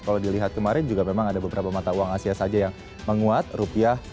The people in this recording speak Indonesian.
kalau dilihat kemarin juga memang ada beberapa mata uang asia saja yang menguat rupiah